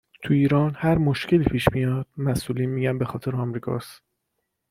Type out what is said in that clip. تو ایران هر مشکلی پیش میاد، مسئولین میگن بخاطر امریکاست